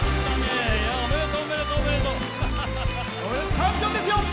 チャンピオンですよ。